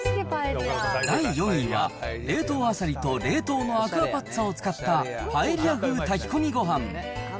第４位は冷凍あさりと冷凍アクアパッツァを使ったパエリア風炊き込みご飯。